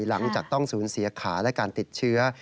หลังจากต้องสูญเสียขาและการติดเชื้อ